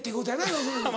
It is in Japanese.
要するに。